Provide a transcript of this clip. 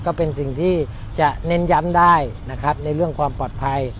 ก็เป็นสิ่งที่จะเน้นย้ำได้นะครับในเรื่องความปลอดภัย